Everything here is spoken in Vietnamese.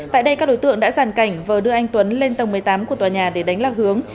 tại đây các đối tượng đã giàn cảnh vừa đưa anh tuấn lên tầng một mươi tám của tòa nhà để đánh lạc hướng